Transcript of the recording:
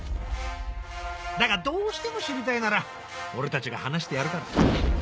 だがどうしても知りたいなら俺たちが話してやるから。